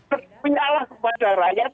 kepinjalah kepada rakyat